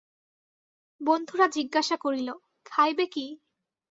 বন্ধুরা জিজ্ঞাসা করিল, খাইবে কী?